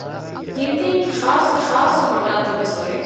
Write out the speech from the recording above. ހިންދީންގެ ޚާއްސަ ހޮޓާތައް ވެސް ހުރޭ